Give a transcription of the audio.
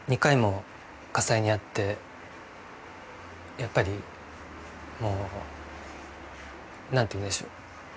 やっぱりもうなんていうんでしょう。